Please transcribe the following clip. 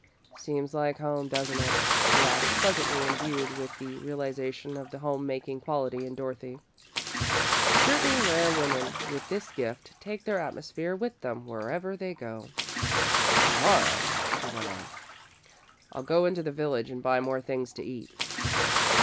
"Seems like home, doesn't it?" he asked, pleasantly imbued with the realisation of the home making quality in Dorothy. Certain rare women with this gift take their atmosphere with them wherever they go. "To morrow," he went on, "I'll go into the village and buy more things to eat."